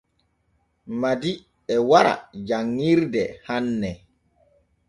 Madi e wara janŋirde hanne.